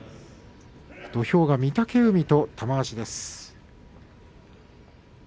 土俵は御嶽海と玉鷲です。